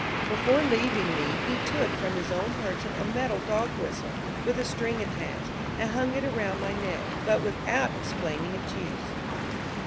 Before leaving me he took from his own person a metal dog whistle, with a string attached, and hung it round my neck, but without explaining its use.